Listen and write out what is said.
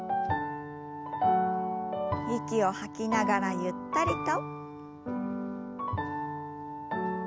息を吐きながらゆったりと。